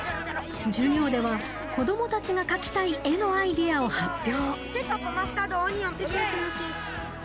授業では子供たちが描きたい絵のアイデアを発表。